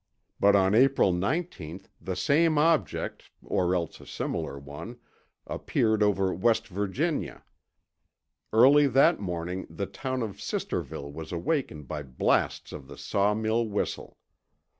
But on April 19, the same object—or else a similar one—appeared over West Virginia. Early that morning the town of Sisterville was awakened by blasts of the sawmill whistle.